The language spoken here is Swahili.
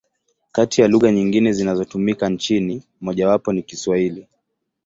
Kati ya lugha nyingine zinazotumika nchini, mojawapo ni Kiswahili.